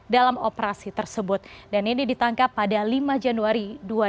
dalam operasi tersebut dan ini ditangkap pada lima januari dua ribu dua puluh